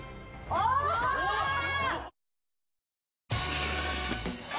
あっ！